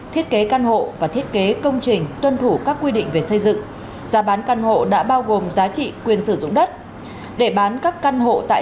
thiết kế căn hộ và thiết kế công trình tuân thủ các quy định